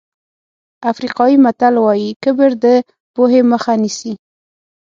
افریقایي متل وایي کبر د پوهې مخه نیسي.